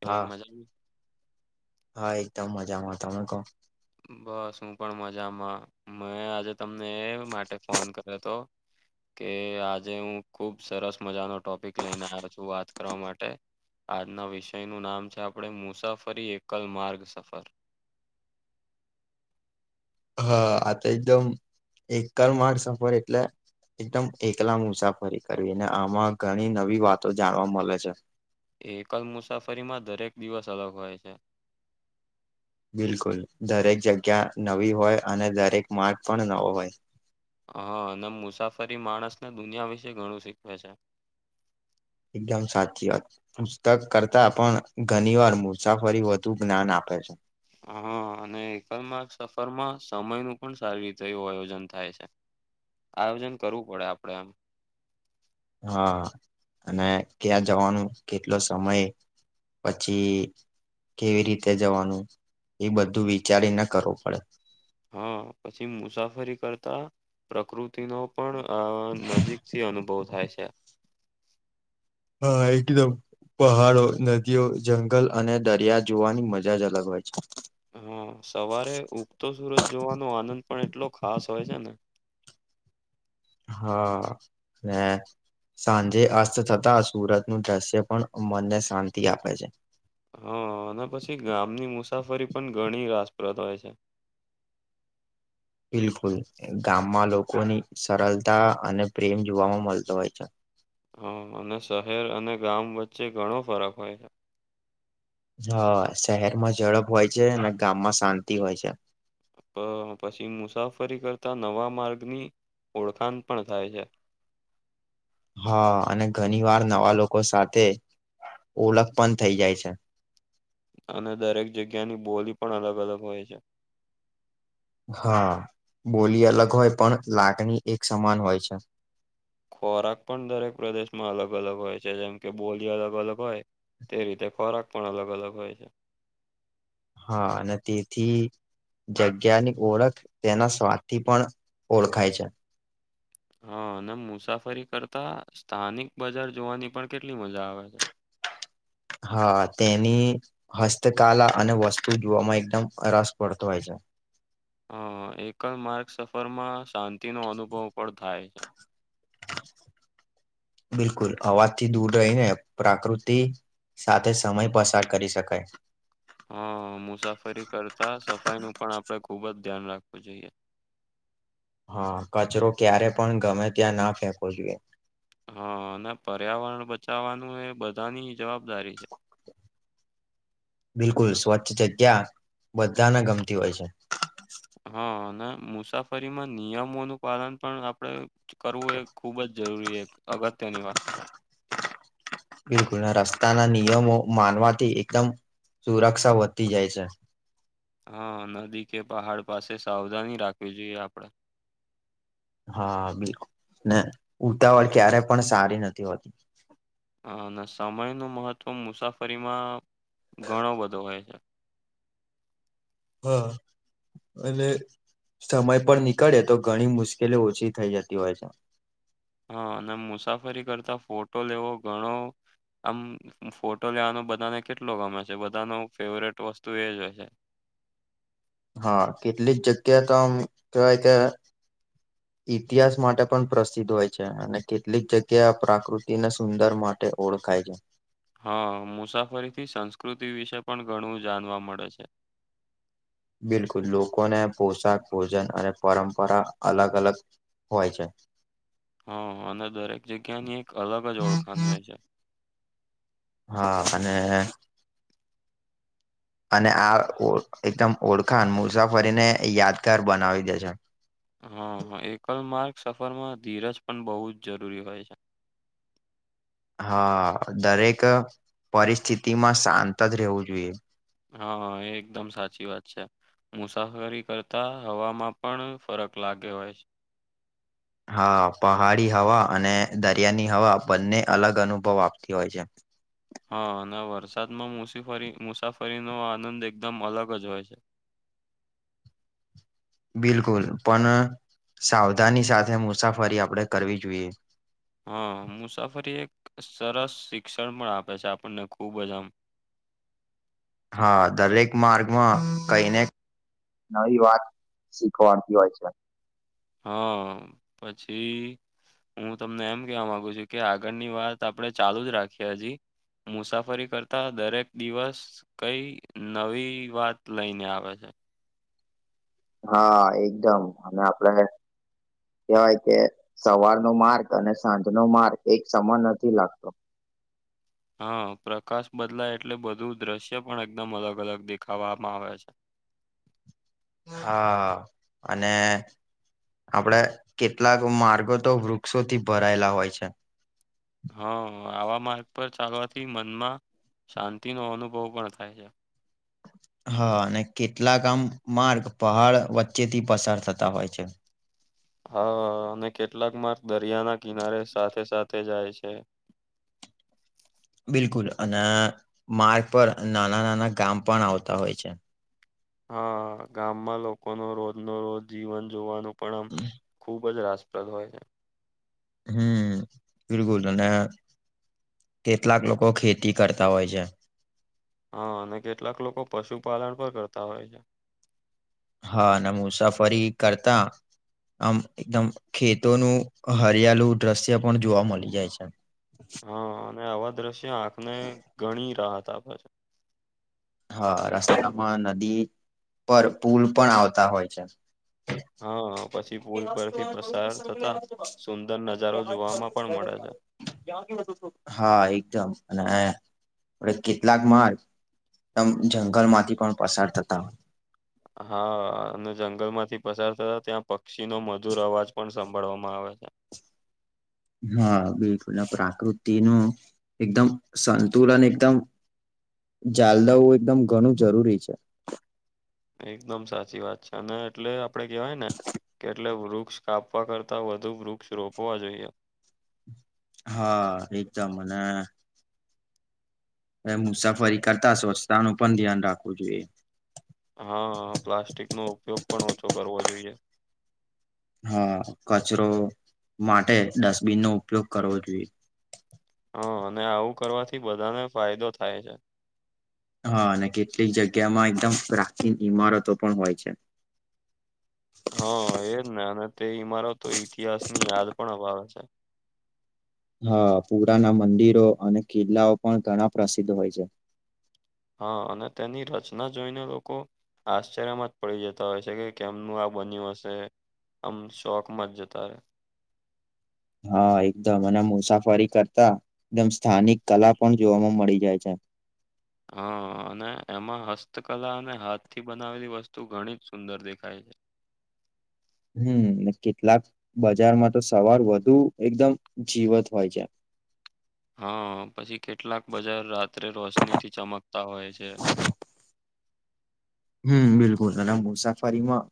ભાઈ હા મજામાં? હા એકદમ મજામાં તમે ક બસ હું પણ મજામાં મેં આજે તમને એ માટે ફોન કર્યો હતો. કે આજે હું ખુબ સરસ મજાનો ટોપિક લઈને આવ્યો છું વાત કરવા માટે. આજના વિષયનું નામ છે આપણે મુસાફરી એકલ માર્ગસફર. હા આ તો એકદમ એકલ માર્ગસફર એટલે એકદમ એકલા મુસાફરી કરવી અને આમાં ઘણી નવી વાતો જાણવા મલે છે. એકલ મુસાફરીમાં દરેક દિવસ અલગ હોય છે. બિલકુલ, દરેક જગ્યા નવી હોય અને દરેક માર્ગ પણ નવો હોય. હા અને મુસાફરી માણસને દુનિયા વિશે ઘણું શીખવે છે. એકદમ સાચી વાત. પુસ્તક કરતા પણ ઘની વાર મુસાફરી વધુ જ્ઞાન આપે છે. હા અને એકલમાર્ગ સફરમાં સમયનું પણ સારી રીતે એવું આયોજન થાય છે. આયોજન કરવું પડે આપડે એમ. હા અને ત્યાં જવાનું કેટલો સમય પછી કેવી રીતે જવાનું એ બધું વિચારીને કરવું પડે. હા પછી મુસાફરી કરતાં પ્રકૃતિનો પણ અ નજીકથી અનુભવ થાય છે. હા એટી તો પહાડો, નદીઓ, જંગલ અને દરિયા જોવાની મજા જ અલગ હોય છે. હમ્મ, સવારે ઉગતો સુરત જોવાનો આનંદ પણ એટલો ખાસ હોય છે ને. હા ને સાંજે અસ્ત થતાં સુરતનું દ્રશ્ય પણ મનને શાંતિ આપે છે. હા અને પછી ગામની મુસાફરી પણ ઘણી રાસપ્રદ હોય છે. બિલકુલ ગામમાં લોકોની સરલતા અને પ્રેમ જોવામાં મલતો હોય છે. હ અને શહેર અને ગામ વચ્ચે ઘણો ફરક હોય છે. હ શહેરમાં ઝડપ હોય છે ને ગામમાં શાંતિ હોય છે. પ પછી મુસાફરી કરતાં નવા માર્ગની ઓળખાણ પણ થાય છે. હા અને ઘણી વાર નવાં લોકો સાથે ઓલખ પણ થઈ જાય છે. અને દરેક જગ્યાની બોલી પણ અલગ-અલગ હોય છે. હા, બોલી અલગ હોય પણ લાગણી એક સમાન હોય છે. ખોરાક પણ દરેક પ્રદેશમાં અલગ-અલગ હોય છે જેમ કે બોલી અલગ-અલગ હોય. તે રીતે ખોરાક પણ અલગ-અલગ હોય છે. હા અને તેથી જગ્યાની ઓળખ તેના સ્વાદથી પણ ઓળખાય છે. હા અને મુસાફરી કરતા સ્થાનિક બજાર જોવાની પણ કેટલી મજા આવે છે. હા તેની હસ્તકાલા અને વસ્તુ જોવામાં એકદમ રસ પડતો હોય છે. હ એક જ માર્ગ સફરમાં શાંતિનો અનુભવ પણ થાય છે. [inaudible] બિલકુલ અવાજથી દૂર રહે પ્રાકૃતિ સાથે સમય પસાર કરી શકાય. હ મુસાફરી કરતાં સફાઈનું પણ આપણે ખૂબ જ ધ્યાન રાખવું જોઈએ. હા કચરો ક્યારે પણ ગમે ત્યાં ના ફેંકવો જોઈએ. હા અને પર્યાવરણ બચાવવાનું એ બધાની જવાબદારી છે. બિલકુલ, સ્વચ્છ જગ્યા બધાને ગમતી હોય છે. હા અને મુસાફરીમાં નિયમોનું પાલન પણ આપણેે કરવું એ ખૂબ જ જરૂરી એક અગત્યની વાત છે. બિલકુલ ને રસ્તાના નિયમો માનવાથી એકદમ સુરક્ષા વધતી જાય છે. હા, નદી કે પહાડ પાસે સાવધાની રાખવી જોઈએ આપણે. હા બિલકુલ ને ઉતાવળ ક્યારેય પણ સારી નથી હોતી. હા અને સમયનું મહત્ત્વ મુસાફરીમાં ઘણો બધો હોય છે. હા. અને સમય પર નીકળે તો ઘણી મુશ્કેલી ઓછી થઈ જતી હોય છે. હા અને મુસાફરી કરતા ફોટો લેવો ઘણો આમ ફોટો લેવાનો બધાને કેટલો ગમે છે બધાનો ફેવરેટ વસ્તુ એ જ હોય છે. હા કેટલીક જગ્યા તો આમ કેવાય કે [inaudible] ઇતિહાસ માટે પણ પ્રસિદ્ધ હોય છે અને કેટલીક જગ્યા આ પ્રાકૃતિને સુંદર માટે ઓળખાય છે. હા મુસાફરી થી સંસ્કૃતિ વિશે પણ ઘણું જાણવા મળે છે. બિલકુલ લોકોને પોશાક, ભોજન અને પરંપરા અલગ- અલગ. હોય છે. હા અને દરેક જગ્યા ની એક અલગ જ ઓળખાણ હોય છે. હા અને. અને આ એકદમ ઓળખાણ મુસાફરીને યાદગાર બનાવી દે છે. હા હ એકલ માર્ગ સફરમાં ધીરજ પણ બહુ જ જરૂરી હોય છે. હા દરેક પરિસ્થિતિમાં શાંત જ રહેવું જોઈએ. હા એ એકદમ સાચી વાત છે. મુસાફરી કરતા હવામાં પણ ફરક લાગે હોય છે. હા પહાડી હવા અને દરિયાની હવા બંને અલગ અનુભવ આપતી હોય છે. હા અને વરસાદમાં મુસીફરી મુસાફરીનો આનંદ એકદમ અલગ જ હોય છે. બિલકુલ પણ સાવધાની સાથે મુસાફરી આપણેે કરવી જોઈએ. હા મુસાફરી એક સરસ શિક્ષણ પણ આપે છે આપણને ખુબ જ આમ. હા દરેક માર્ગમાં કઈને નવી વાત શીખવાડતી હોય છે. હા પછી. હું તમને એમ કેવા માંગુ છું કે આગળની વાત આપણે ચાલુ જ રાખીએ હજી. મુસાફરી કરતા દરેક દિવસ. કઈ નવી વાત લઈને આવે છે. હા એકદમ અને આપડા કવાય કે સવારનો માર્ગ અને સાંજનો માર્ગ એક સમય નથી લાગતો. હા પ્રકાશ બદલા એટલે બધું દ્રશ્ય પણ એકદમ અલગ-અલગ દેખાવામાં આવે છે. હા અને. આપડે કેટલાક માર્ગો તો વૃક્ષોથી ભરાયેલા હોય છે. હા આવા માર્ગ પર ચાલવાથી મનમાં શાંતિનો અનુભવ પણ થાય છે. હા અને કેટલાક આમ માર્ગ પહાડ વચ્ચેથી પસાર થતા હોય છે. હા અને કેટલાક માર્ક દરિયાના કિનારે સાથે સાથે જાય છે. બિલકુલ અને માર્ગ પર નાના-નાના ગામ પણ આવતા હોય છે. હા ગામમાં લોકોનો રોજનો રોજ જીવન જોવાનું પણ આમ ખુબ જ રાસ પ્રદ હોય છે. હમ્મ બિલકુલ અને કેટલાક લોકો ખેતી કરતા હોય છે. હા અને કેટલાક લોકો પશુપાલન પર કરતા હોય છે. હા અને મુસાફરી કરતા આમ એકદમ ખેતોનું હરિયાળું દ્રશ્ય પણ જોવા મળી જાય છે. હા અને આવા દ્રશ્ય આંખને ઘણી રાહત આપે છે. હા રસ્તામાં નદી પર પુલ પણ આવતા હોય છે. હા પછી પુલ પરથી પસાર થતા સુંદર નજારો જોવામાં પણ મળે છે. હા એકદમ અને હ આપ કેટલાક માર્ગ આમ જંગલમાંથી પણ પસાર થતા હા અને જંગલમાંથી પસાર થતા ત્યાં પક્ષીનો મધુર અવાજ પણ સાંભળવામાં આવે છે. હા બિલકુલ પ્રાકૃતિનું એકદમ સંતુલન એકદમ. જાલદાઉ એકદમ ઘણું જરૂરી છે. એકદમ સાચી વાત છે અને એટલે આપડે કેહેવાય ને. કે એટલે વૃક્ષ કાપવા કરતા વધુ વૃક્ષ રોપવા જોઈએ હા એકદમ અને મુસાફરી કરતા સ્વચ્છતા નું પણ ધ્યાન રાખવું જોઈએ હા પ્લાસ્ટિક નો ઉપયોગ પણ ઓછો કરવો જોઈએ હા કચરો માટે ડસ્ટબિન નો ઉપયોગ કરવો જોઈએ હ અને આવું કરવાથી બધાને ફાયદો થાય છે હા અને કેટલીક જગ્યામાં એકદમ પ્રાચીન ઈમારતો પણ હોય છે હા એજ ને અને તે ઇમારો તો ઇતિહાસ ની યાદ પણ અપાવે છે હા પુરાના મંદિરો અને કિલ્લાઓ પણ ઘણા પ્રસિદ્ધ હોય છે હા અને તેની રચના જોઈને લોકો આશ્ચર્યમાં જ પડી જતા હોય છે કે કેમનું આ બન્યું હશે આમ શોકમાં જ જતા રહે હા એકદમ અને મુસાફરી કરતા એકદમ સ્થાનિક કલા પણ જોવામાં મળી જાય છે હા અને એમાં હસ્તકલા અને હાથથી બનાવેલી વસ્તુ ઘણી જ સુંદર દેખાય છે હમ કેટલાક બજારમાં તો સવાર વધુ એકદમ જીવત હોય છે હા પછી કેટલાક બજાર રાત્રે રોશની થી ચમકતા હોય છે હમ બિલકુલ એના મુસાફરીમાં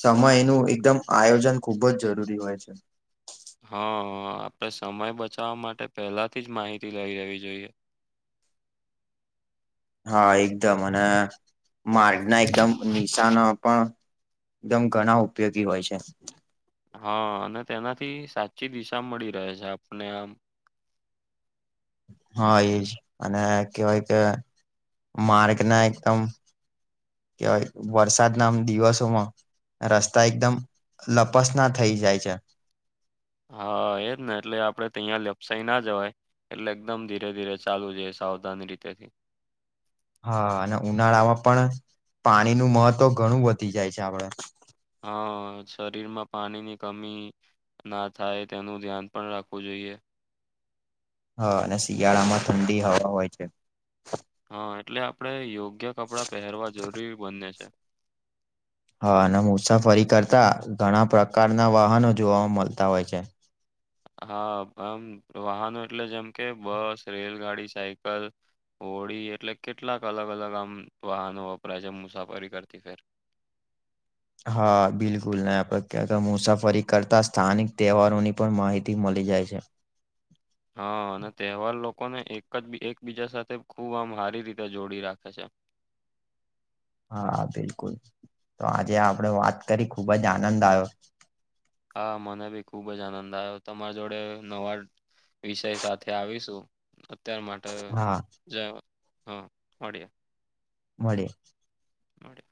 સમયનું એકદમ આયોજન ખુબ જ જરૂરી હોય છે હા આપડે સમય બચાવવા માટે પહેલાથી જ માહિતી લઈ લેવી જોઈએ હા એકદમ અને માર્ગના એકદમ નિશાનો પણ એકદમ ઘણા ઉપયોગી હોય છે હા અને તેનાથી સાચી દિશા મળી રહે છે આપને આમ હા એજ અને કવાય કે માર્ગ ના એકદમ કેવાય વરસાદ નામ દિવસોમાં રસ્તા એકદમ લપસના થઇ જાય છે હા એજ ને એટલે આપડે તયા લપસાઈ ના જવાય એટલે એકદમ ધીરે ધીરે ચાલવું જોયે સાવધાની રીતે થી હા અને ઉનાળામાં પણ પાણી નું મહત્વ ઘણું વધી જાય છે આપડે હા શરીર માં પાણીની કમી ના થાય તેનું ધ્યાન પણ રાખવું જોઈએ હા અને શિયાળામાં ઠંડી હવા હોય છે હા એટલે આપડે યોગ્ય કપડાં પહેરવા જરૂરી બને છે હા અને મુસાફરી કરતા ઘણા પ્રકારના વાહનો જોવાવામાં મળતા હોય છે હા આમ વાહનો એટલે જેમ કે બસ રેલગાડી સાયકલ હોળી એટલે કેટલાક અલગ અલગ આમ વાહનો વપરાય છે મુસાફરી કરતી ફેર હા બિલકુલ ને આપડે મુસાફરી કરતા સ્થાનિક તહેવારોની પણ માહિતી મળી જાય છે હા અને તહેવાર લોકોને એક જ એકબીજા સાથે ખુબ આમ હારી રીતે જોડી રાખે છે હા બિલકુલ તો આજે આપડે વાત કરી ખુબ જ આનંદ આવ્યો હા મને બી ખુબ જ આનંદ આવ્યો તમારી જોડે નવા વિષય સાથે આવીશું અત્યાર માટે હા જ હ મળિએ મળીએ મળે